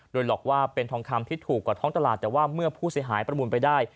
โดยหลอกว่าเป็นทองคำที่ถูกกว่าท้องตลาดแต่ว่าเมื่อผู้เสียหายประมูลไปได้